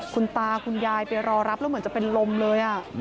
คุณตาคุณยายไปรอรับแล้วเหมือนจะเป็นลมเลย